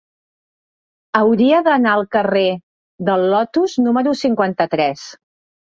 Hauria d'anar al carrer del Lotus número cinquanta-tres.